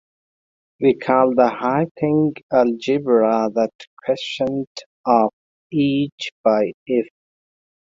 We call the Heyting algebra the quotient of "H" by "F".